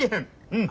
うん。